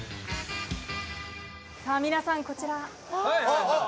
さあ皆さんこちら。